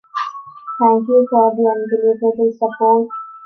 Thank you for your unbelievable support.